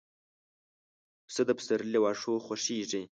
پسه د پسرلي له واښو خوښيږي.